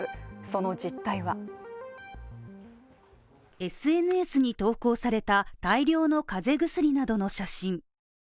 その実態はＳＮＳに投稿された大量の風邪薬などの写真。